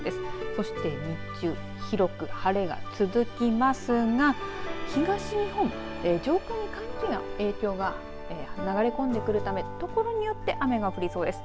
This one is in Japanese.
そして日中広く晴れが続きますが東日本上空に寒気の影響が流れ込んでくるため所によって雨が降りそうです。